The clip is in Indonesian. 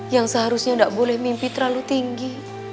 yang seharusnya tidak boleh mimpi terlalu tinggi